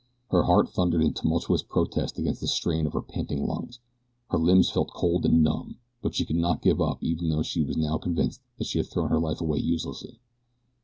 Her heart thundered in tumultuous protest against the strain of her panting lungs. Her limbs felt cold and numb; but she could not give up even though she was now convinced that she had thrown her life away uselessly.